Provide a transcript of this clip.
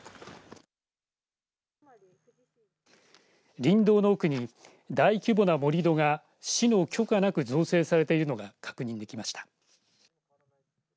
林道の奥に大規模な盛り土が市の許可なく造成されているのが確認できました。